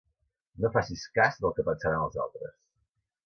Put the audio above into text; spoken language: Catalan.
No facis cas del que pensaran els altres.